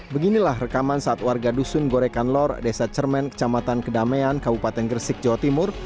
beginilah rekaman saat warga dusun gorekan lor desa cermen kecamatan kedamaian kabupaten gresik jawa timur